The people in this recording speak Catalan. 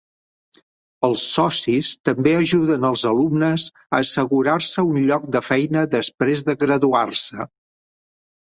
Els socis també ajuden els alumnes a assegurar-se un lloc de feina després de graduar-se.